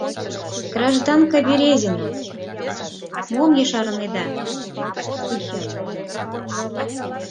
— Гражданка Березина, мом ешарынеда? — судья йодо.